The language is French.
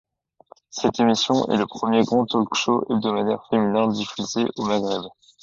Cette émission est le premier grand talk show hebdomadaire féminin diffusé au Maghreb.